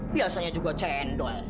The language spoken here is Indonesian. biasanya juga cendol